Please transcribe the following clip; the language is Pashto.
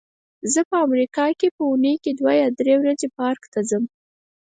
زه په امریکا کې په اوونۍ کې دوه یا درې ورځې پارک ته ځم.